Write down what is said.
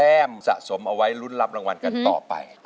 ด้านล่างเขาก็มีความรักให้กันนั่งหน้าตาชื่นบานมากเลยนะคะ